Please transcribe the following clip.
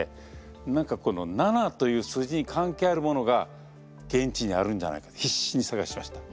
何かこの「七」という数字に関係あるものが現地にあるんじゃないかと必死に探しました。